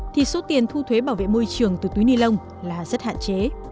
thì số tiền thu thuế bảo vệ môi trường từ túi ni lông là rất hạn chế